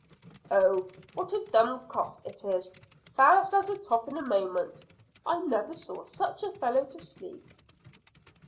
Oh, what a Dummkopf it is! Fast as a top in a moment! I never saw such a fellow to sleep!"